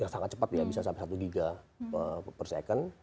yang sangat cepat ya bisa sampai satu giga per second